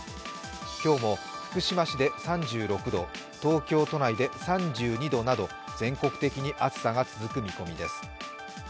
今日も、福島市で３６度、東京都内で３２度など、全国的に暑さが続く見込みです。